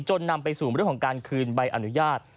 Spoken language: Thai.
นำไปสู่เรื่องของการคืนใบอนุญาต